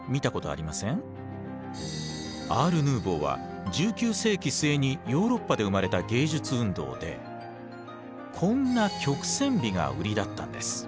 アール・ヌーヴォーは１９世紀末にヨーロッパで生まれた芸術運動でこんな曲線美が売りだったんです。